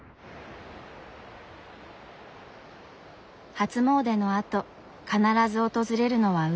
初詣のあと必ず訪れるのは海。